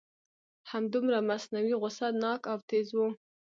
همدومره مصنوعي غصه ناک او تیز و.